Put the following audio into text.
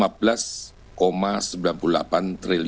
pencapaian tersebut membuat bri tetap optimistik dengan kinerja ke depan